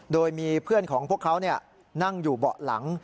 โดยมีเพื่อนของพวกเขานั่งอยู่เบาะหลัง